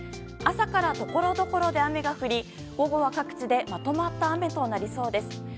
朝からところどころで雨が降り午後は各地でまとまった雨となりそうです。